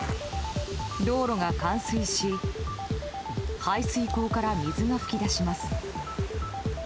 道路が冠水し排水溝から水が噴き出します。